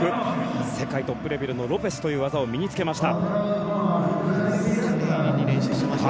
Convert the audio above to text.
世界トップレベルのロペスという技を身につけました。